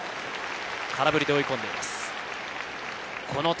空振りで追い込んでいます。